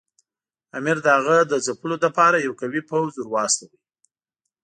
امیر د هغه د ځپلو لپاره یو قوي پوځ ورواستاوه.